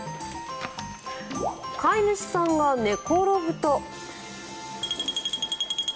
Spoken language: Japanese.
飼い主さんが寝転ぶと。